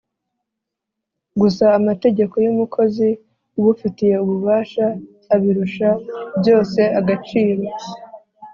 gusa amategeko yumukozi ubufitiye ububasha abirusha byose agaciro